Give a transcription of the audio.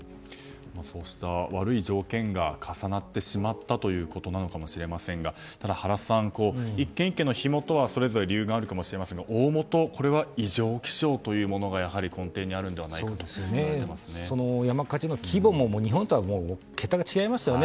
そうした悪い条件が重なってしまったということなのかもしれませんがただ、原さん、１件１件の火元はそれぞれ理由があるかもしれませんが大元これは異常気象というものが山火事の規模も日本とは桁が違いますよね。